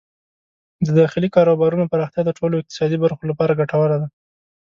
د داخلي کاروبارونو پراختیا د ټولو اقتصادي برخو لپاره ګټوره ده.